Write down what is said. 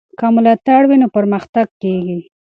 که ملاتړ وي نو پرمختګ کېږي.